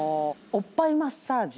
おっぱいマッサージ。